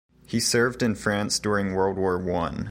He served in France during World War One.